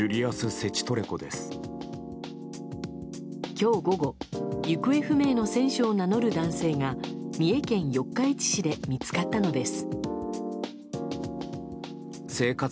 今日午後行方不明の選手を名乗る男性が三重県四日市市で見つかったのです。